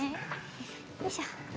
よいしょ。